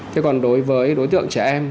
thế còn đối với đối tượng trẻ em